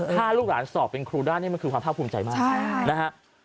ถ้าลูกหลานสอบเป็นครูได้นี่มันคือความภาคภูมิใจมากนะฮะ